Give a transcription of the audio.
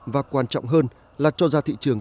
và quan trọng hơn là cho ra thị trường